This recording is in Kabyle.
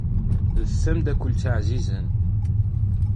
D tamdakkelt ɛzizen.